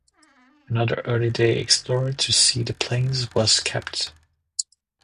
Another early day explorer to see the Plains was Capt.